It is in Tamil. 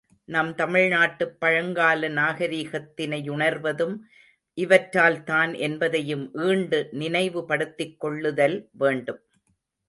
நம் தமிழ்நாட்டுப் பழங்கால நாகரிகத்தினையுணர்வதும் இவற்றால் தான் என்பதையும் ஈண்டு நினைவுபடுத்திக்கொள்ளுதல் வேண்டும்.